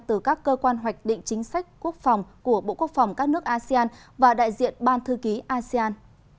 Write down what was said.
từ các cơ quan hoạch định chính sách quốc phòng của bộ quốc phòng các nước asean và đại diện ban thư ký asean